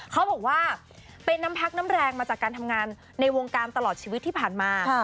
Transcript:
เขาบอกว่าเป็นน้ำพักน้ำแรงมาจากการทำงานในวงการตลอดชีวิตที่ผ่านมา